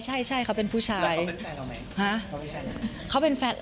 แล้วเขาเป็นแฟนเราไหม